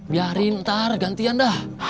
biarin ntar gantian dah